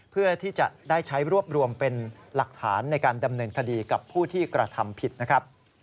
เพื่อที่จะได้ใช้รวบรวมเป็นหลักฐานในการดำเนินคดีกับผู้ที่กระทำผิดนะครับ